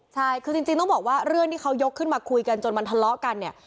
ใช่คือจริงต้องบอกว่าเรื่องที่เขายกขึ้นมาคุยกันจนมันทะเลาะกันเนี่ย